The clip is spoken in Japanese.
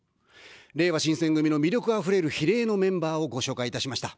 れいわ新選組の魅力あふれる比例のメンバーをご紹介いたしました。